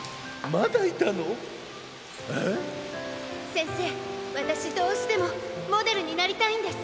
せんせいわたしどうしてもモデルになりたいんです。